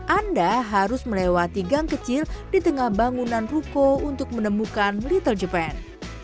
anda harus melewati gang kecil di tengah bangunan ruko untuk menemukan little japan